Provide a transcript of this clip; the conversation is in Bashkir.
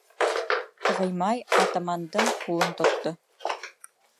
Ғимай атамандың ҡулын тотто: